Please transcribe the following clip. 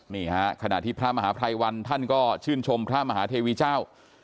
นี่ฮะขณะที่พระมหาภัยวันท่านก็ชื่นชมพระมหาเทวีเจ้า